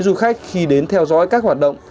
du khách khi đến theo dõi các hoạt động